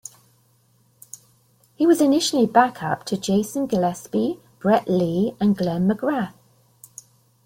He was initially back up to Jason Gillespie, Brett Lee and Glenn McGrath.